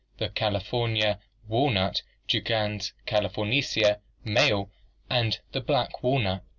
The California walnut (Juglans cali fornica) male and the black walnut